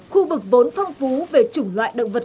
khu vực vốn phong phú về chủng loại động vật